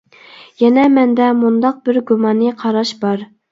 يەنە مەندە مۇنداق بىر گۇمانىي قاراش بار.